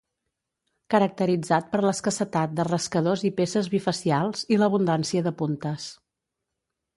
Caracteritzat per l'escassetat de rascadors i peces bifacials, i l'abundància de puntes.